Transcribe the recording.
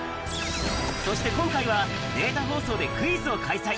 そして今回は、データ放送でクイズを開催。